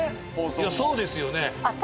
そうですよね。